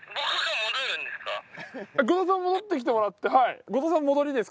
後藤さん戻ってきてもらってはい。